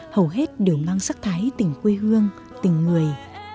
hầu hết đều mang sắc thái tình quê hương tình người